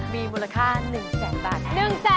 มีมูลค่า๑๐๐๐๐๐บาท